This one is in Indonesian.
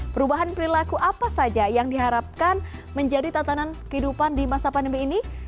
perubahan perilaku apa saja yang diharapkan menjadi tatanan kehidupan di masa pandemi ini